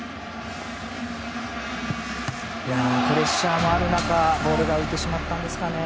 プレッシャーもある中ボールが浮いてしまったんですかね。